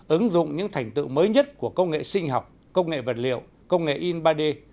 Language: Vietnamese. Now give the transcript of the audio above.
ứng dụng những thành tựu mới nhất của công nghệ sinh học công nghệ vật liệu công nghệ in ba d